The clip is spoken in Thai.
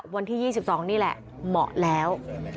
วันที่๒๒นี่แหละเหมาะแล้ว